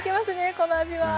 この味は！